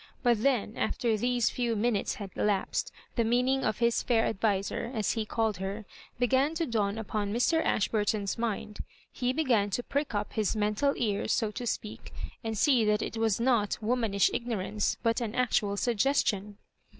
But then after these few minutes bad elapsed the meaning of his fiiir adviser, as he called her, began to dawn upon Mr. Aidiburton's mind. He b^n to prick up his mental ears; so to speak, and see that it was not womanish ignorance, but an actual suggestion.